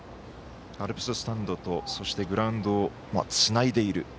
アルプススタンドとそしてグラウンドをつないでいる。